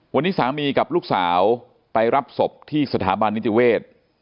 วันนี้สามีกับลูกสาวไปรับศพที่สถาบันนิติเวศ